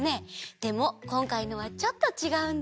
でもこんかいのはちょっとちがうんだ。